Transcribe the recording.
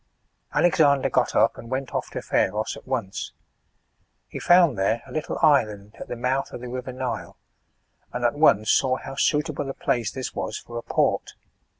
Alexander got up and went off to Pharos at once. He found there a little island, at the mouth of the river Nile, and at once saw how suitable a place this was for a port.